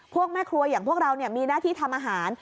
พวกแม่ครัวอย่างพวกเรามีหน้าที่ทำอาหาร